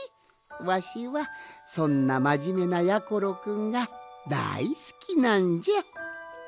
わしはそんなまじめなやころくんがだいすきなんじゃ。